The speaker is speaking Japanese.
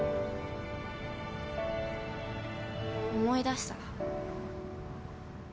思い出した。